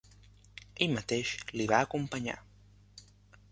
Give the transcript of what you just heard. Ell mateix li va acompanyar.